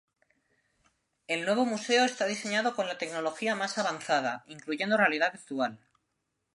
El nuevo museo está diseñado con la tecnología más avanzada, incluyendo realidad virtual.